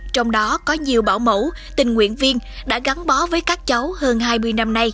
trong đó có nhiều bảo mẫu tình nguyện viên đã gắn bó với các cháu hơn hai mươi năm nay